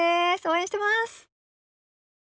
応援してます。